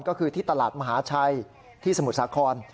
ก็คือที่ตลาดมหาชัยที่สมุทรสาคร